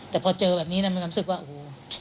แต่พอเจอแบบนี้นะมันก็คงคิดว่าโอ้โฮ